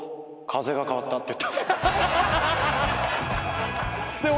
「風が変わった」って。